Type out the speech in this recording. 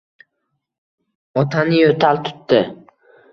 Otani yo`tal tutdi